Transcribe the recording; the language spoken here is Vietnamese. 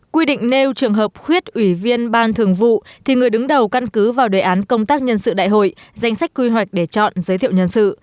quy định nêu trường hợp khuyết ủy viên ban thường vụ thì người đứng đầu căn cứ vào đề án công tác nhân sự đại hội danh sách quy hoạch để chọn giới thiệu nhân sự